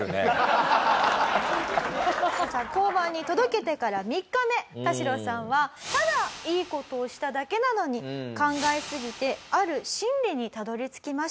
交番に届けてから３日目タシロさんはただいい事をしただけなのに考えすぎてある真理にたどり着きました。